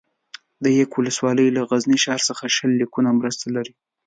ده یک ولسوالي له غزني ښار څخه شل کیلو متره لري ده